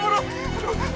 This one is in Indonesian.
aduh aduh aduh